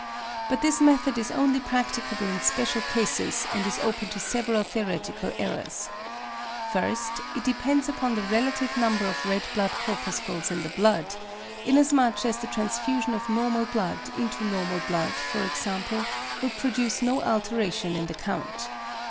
But this method is only practicable in special cases and is open to several theoretical errors. First, it depends upon the relative number of red blood corpuscles in the blood; inasmuch as the transfusion of normal blood into normal blood, for example, would produce no alteration in the count.